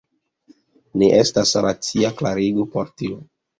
Ne estas racia klarigo por tio.